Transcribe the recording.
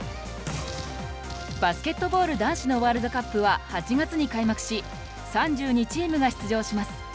バスケットボール男子のワールドカップは８月に開幕し３２チームが出場します。